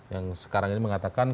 yang sekarang ini mengatakan